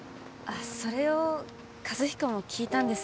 それを和彦も聞いたんですね。